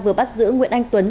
vừa bắt giữ nguyễn anh tuấn